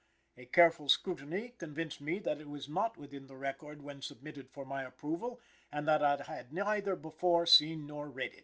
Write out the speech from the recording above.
"A careful scrutiny convinced me that it was not with the record when submitted for my approval, and that I had neither before seen nor read it."